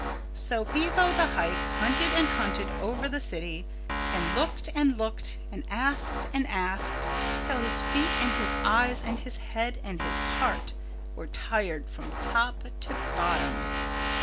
So Bevo the Hike hunted and hunted over the city and looked and looked and asked and asked till his feet and his eyes and his head and his heart were tired from top to bottom.